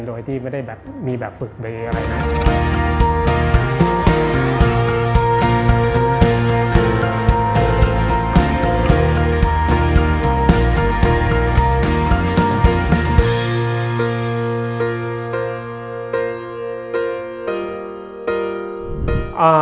โดยที่ไม่ได้มีแบบฝึกเดียวกันอะไรนะ